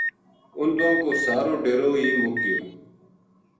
اُنھ دواں کو سارو ڈیرو ہی مُک گیو